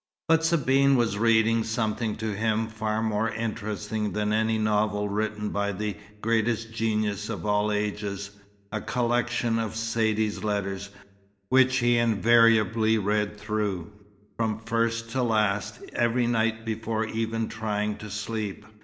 But Sabine was reading something to him far more interesting than any novel written by the greatest genius of all ages; a collection of Saidee's letters, which he invariably read through, from first to last, every night before even trying to sleep.